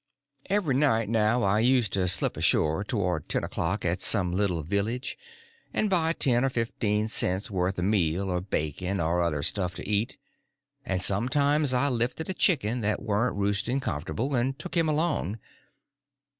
Every night now I used to slip ashore towards ten o'clock at some little village, and buy ten or fifteen cents' worth of meal or bacon or other stuff to eat; and sometimes I lifted a chicken that warn't roosting comfortable, and took him along.